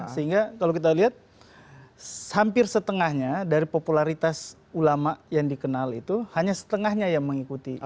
sehingga kalau kita lihat hampir setengahnya dari popularitas ulama yang dikenal itu hanya setengahnya yang mengikuti